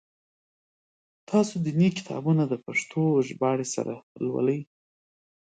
تاسو دیني کتابونه د پښتو ژباړي سره لولی؟